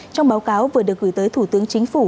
trong báo cáo vừa được gửi tới